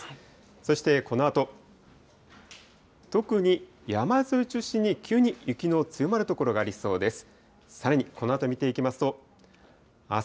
そしてこのあと、特に山沿いを中心に急に雪の強まる所がありそうです。